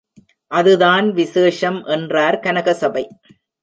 அதுதான் விசேஷம், என்றார் கனகசபை.